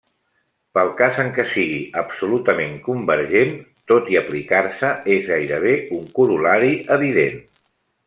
Pel cas en què sigui absolutament convergent, tot i aplicar-se, és gairebé un corol·lari evident.